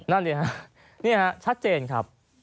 นั่นดีครับนี่ฮะชัดเจนครับ